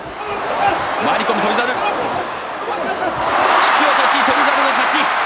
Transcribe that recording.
引き落とし、翔猿の勝ち。